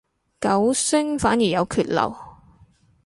九聲反而有缺漏